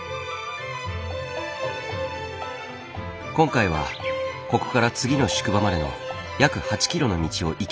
今回はここから次の宿場までの約８ｋｍの道を行き来する。